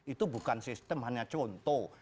itu bukan sistem hanya contoh